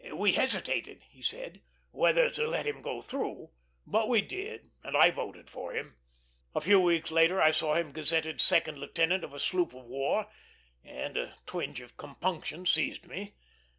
"We hesitated," he said, "whether to let him go through: but we did, and I voted for him. A few weeks later I saw him gazetted second lieutenant of a sloop of war, and a twinge of compunction seized me.